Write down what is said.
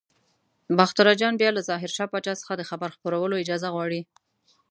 باختر اجان بیا له ظاهر شاه پاچا څخه د خبر خپرولو اجازه غواړي.